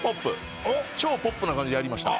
超ポップな感じにやりました。